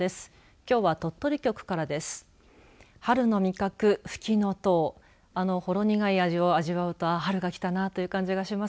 きょうは鳥取局からです。